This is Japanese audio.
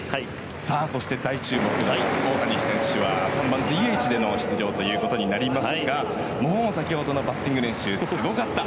そして、大注目の大谷選手は３番ＤＨでの出場となりますがもう、先ほどのバッティング練習すごかった！